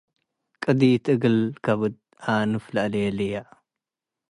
ቅዲት እግል ከብድ ኣንፍ ለአሌልየ።